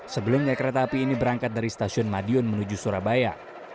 sebelumnya kereta api ini berangkat dari stasiun madiun menuju surabaya